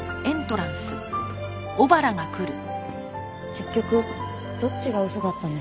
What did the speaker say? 結局どっちが嘘だったんでしょうね？